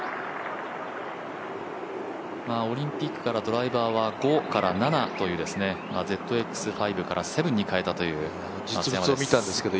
オリンピックからドライバーは５から７という、ＺＸ５から７に変えたという松山です。